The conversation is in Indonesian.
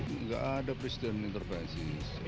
tidak ada presiden yang mengintervensi